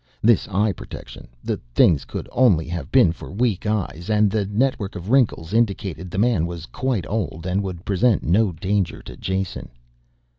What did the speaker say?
This eye protection, the things could only have been for weak eyes, and the network of wrinkles indicated the man was quite old and would present no danger to Jason.